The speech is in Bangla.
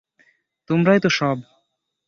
তোমারই তো সব।